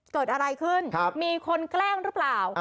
เกิดอะไรขึ้นมีคนแกล้งหรือเปล่า